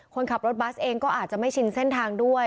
คนขับรถบัสเองก็อาจจะไม่ชินเส้นทางด้วย